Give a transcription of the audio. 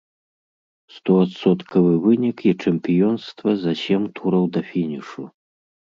Стоадсоткавы вынік і чэмпіёнства за сем тураў да фінішу!